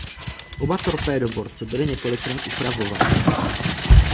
Oba torpédoborce byly několikrát upravovány.